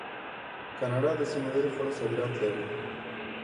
کاناډا د سمندري خوړو صادرات لري.